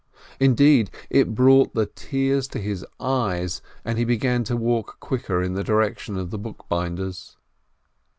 Indeed, it brought the tears to his eyes, and he began to walk quicker in the direction of the bookbinder's.